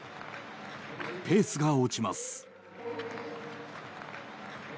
ペースが落ちます。